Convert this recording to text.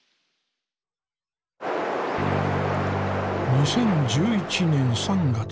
２０１１年３月。